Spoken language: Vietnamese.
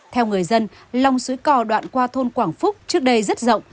theo người dân lòng suối cò đoạn qua thôn quảng phúc trước đây rất rộng